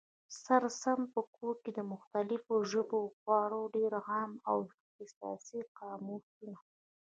سره سم په کور کي، د مختلفو ژبو خورا ډېر عام او اختصاصي قاموسونه